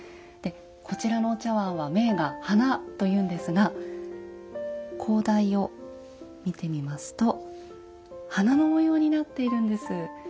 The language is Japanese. でこちらのお茶碗は銘が「花」というんですが高台を見てみますと花の模様になっているんです。